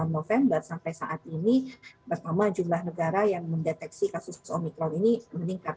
november sampai saat ini pertama jumlah negara yang mendeteksi kasus omikron ini meningkat